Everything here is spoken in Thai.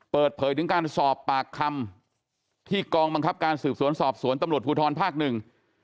เปิดเผยถึงการสอบปากคำที่กองบังคับการสืบสวนสอบสวนตำรวจภูทรภาคหนึ่ง